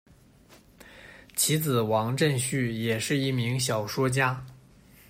其子王震绪也是一名小说家。